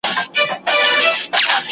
بروشورونه څنګه خلګو ته وېشل کیږي؟